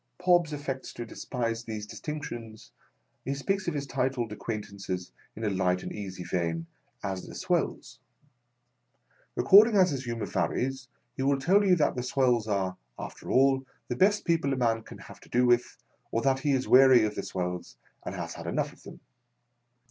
Pobbs affects to despise these distinctions. He speaks of his titled acquaintances, in a light and easy vein, as "the swells." Accord ing as his humour varies, he will tell you that the swells are, after all, the best people a man can have to do with, or that he is weary of the swells and has had enough of them.